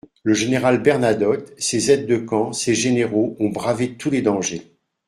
Le général Bernadotte, ses aides-de-camp, ses généraux ont bravé tous les dangers.